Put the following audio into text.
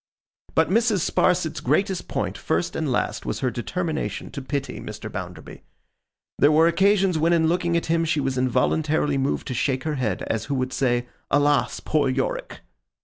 But Mrs. Sparsit's greatest point, first and last, was her determination to pity Mr. Bounderby. There were occasions when in looking at him she was involuntarily moved to shake her head, as who would say, 'Alas, poor Yorick!